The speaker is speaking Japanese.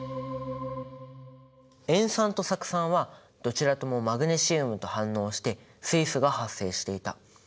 塩酸と酢酸はどちらともマグネシウムと反応して水素が発生していた。